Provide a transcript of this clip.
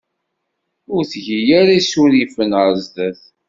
Ur tgi ara isurifen ɣer sdat.